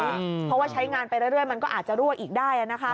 เพราะว่าใช้งานไปเรื่อยมันก็อาจจะรั่วอีกได้นะคะ